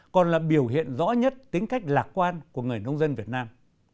còn là biểu hiện rõ nhất tính cách lạc quan của người nông dân việt nam